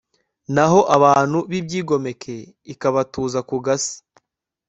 naho abantu b'ibyigomeke ikabatuza ku gasi